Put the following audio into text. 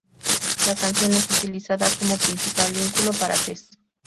La canción es utilizada como principal vínculo para Tess.